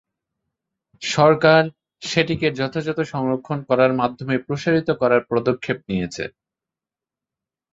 সরকার সেটিকে যথাযথ সংরক্ষণ করার মাধ্যমে প্রসারিত করার পদক্ষেপ নিয়েছে।